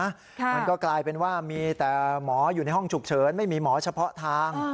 มันก็กลายเป็นว่ามีแต่หมออยู่ในห้องฉุกเฉินไม่มีหมอเฉพาะทาง